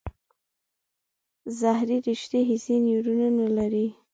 ظهري رشته حسي نیورونونه لري.